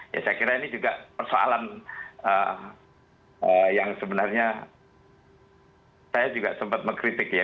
ya saya kira ini juga persoalan yang sebenarnya saya juga sempat mengkritik ya